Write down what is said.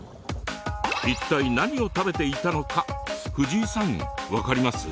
一体何を食べていたのか藤井さん分かりますか？